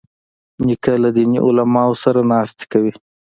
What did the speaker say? نیکه له دیني علماوو سره ناستې کوي.